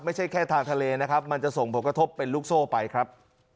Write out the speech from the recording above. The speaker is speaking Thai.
ไม่ใช่แค่ทางทะเลนะครับมันจะส่งผลกระทบเป็นลูกโซ่ไปครับ